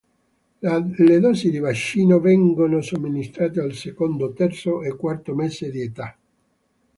Le dosi di vaccino vengono somministrate al secondo, terzo e quarto mese di età.